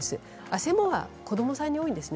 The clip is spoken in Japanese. あせもは子どもさんに多いです